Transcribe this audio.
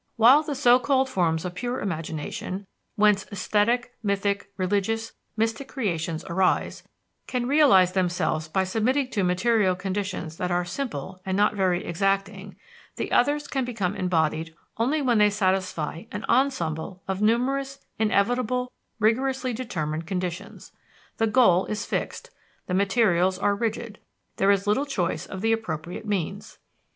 While the so called forms of pure imagination, whence esthetic, mythic, religious, mystic creations arise, can realize themselves by submitting to material conditions that are simple and not very exacting, the others can become embodied only when they satisfy an ensemble of numerous, inevitable, rigorously determined conditions; the goal is fixed, the materials are rigid, there is little choice of the appropriate means.